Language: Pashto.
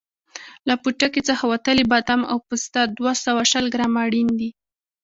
له پوټکي څخه وتلي بادام او پسته دوه سوه شل ګرامه اړین دي.